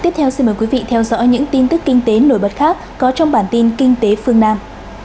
tiếp theo xin mời quý vị theo dõi những tin tức kinh tế nổi bật khác có trong bản tin kinh tế phương nam